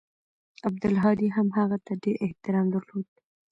عبدالهادي هم هغه ته ډېر احترام درلود.